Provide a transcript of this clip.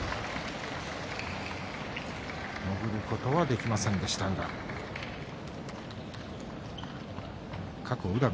潜ることはできませんでした宇良。